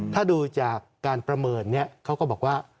ถ้าดูจากการประเมินเขาก็บอกว่า